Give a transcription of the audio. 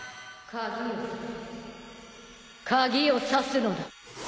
鍵を挿すのだ。